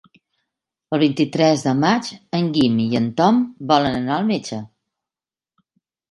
El vint-i-tres de maig en Guim i en Tom volen anar al metge.